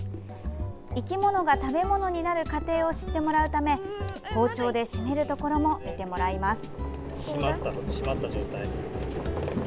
生き物が食べ物になる過程を知ってもらうため包丁で締めるところも見てもらいます。